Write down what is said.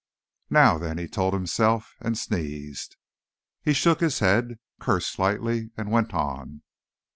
Now, then, he told himself—and sneezed. He shook his head, cursed slightly, and went on.